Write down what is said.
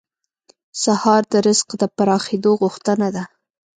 سهار د رزق د پراخېدو غوښتنه ده.